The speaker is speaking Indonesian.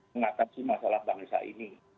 mengatasi masalah bangsa ini